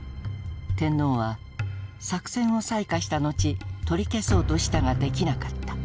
天皇は作戦を裁可した後取り消そうとしたができなかった。